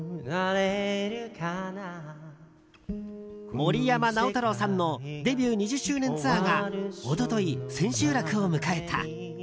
森山直太朗さんのデビュー２０周年ツアーが一昨日、千秋楽を迎えた。